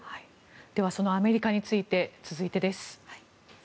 ではそのアメリカについて続いてです。